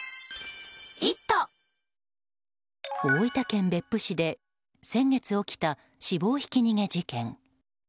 大分県別府市で先月起きた死亡ひき逃げ事件。